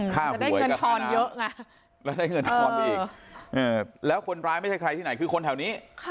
ค่าป่วยกับอาณาและได้เงินทอนเยอะนะแล้วคนร้ายไม่ใช่ใครที่ไหนคือคนแถวนี้